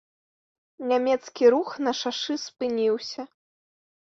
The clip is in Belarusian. Нямецкі рух на шашы спыніўся.